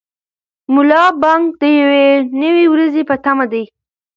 ملا بانګ د یوې نوې ورځې په تمه دی.